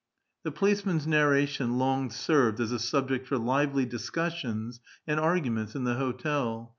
The policeman's narration long served as a subject for lively discussion^ and arguments in the hotel.